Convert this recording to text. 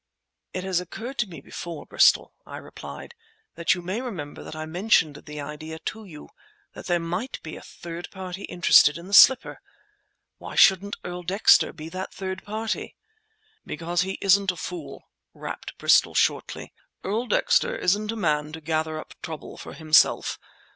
"It has occurred to me before, Bristol," I replied, "and you may remember that I mentioned the idea to you, that there might be a third party interested in the slipper. Why shouldn't Earl Dexter be that third party?" "Because he isn't a fool," rapped Bristol shortly. "Earl Dexter isn't a man to gather up trouble for himself.